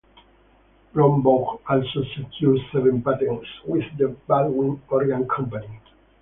Brombaugh also secured seven patents with the Baldwin Organ Company.